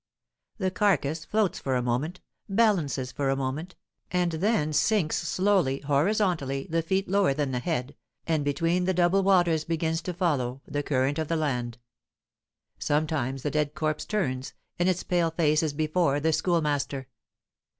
The carcass floats for a moment, balances for a moment, and then sinks slowly, horizontally, the feet lower than the head, and between the double waters begins to follow the current of the land. Sometimes the dead corpse turns, and its pale face is before the Schoolmaster.